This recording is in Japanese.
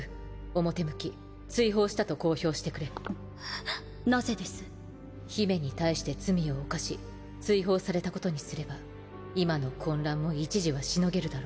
表向き追放したと公表してくれ（ディ姫に対して罪を犯し追放されたことにすれば今の混乱も一時はしのげるだろう